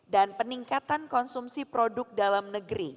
dan peningkatan konsumsi produk dalam negeri